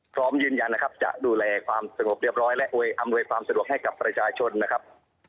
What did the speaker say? พร้อมยืนยันนะครับจะดูแลความสงบเรียบร้อยและอำนวยความสะดวกให้กับประชาชนนะครับ